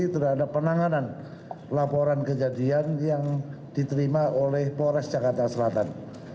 terhadap penanganan laporan kejadian yang diterima oleh polres jakarta selatan